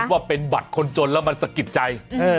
ว่าเป็นบัตรคนจนแล้วมันสะกิดใจ